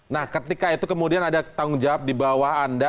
nah ketika itu kemudian ada tanggung jawab di bawah anda